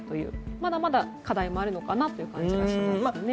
まだまだ課題もあるのかなという感じがしますね。